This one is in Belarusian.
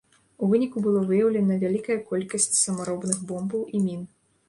У выніку было выяўлена вялікая колькасць самаробных бомбаў і мін.